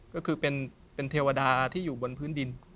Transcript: ก็คือเป็นเทวดาที่อยู่บนพื้นดิน